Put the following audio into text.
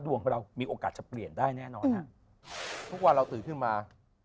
ของเรามีโอกาสจะเปลี่ยนได้แน่นอนฮะทุกวันเราตื่นขึ้นมา